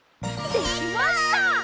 できました！